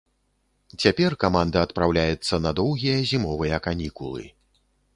Цяпер каманда адпраўляецца на доўгія зімовыя канікулы.